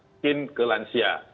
mungkin ke lansia